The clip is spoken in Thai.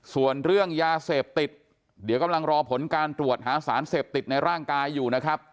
ส่วนเรื่องยาเสพติดเดี๋ยวกำลังรอผลการตรวจหาสารเสพติดในร่างกายอยู่นะครับ